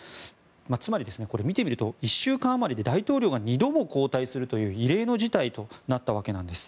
つまりこれ、見てみると１週間あまりで大統領が２度も交代するという異例の事態となったわけです。